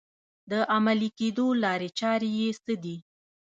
د عملي کېدو لارې چارې یې څه دي؟